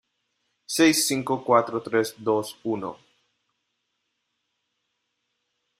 Seis, cinco , cuatro , tres , dos , uno